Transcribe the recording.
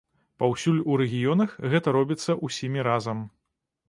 Паўсюль у рэгіёнах гэта робіцца ўсімі разам.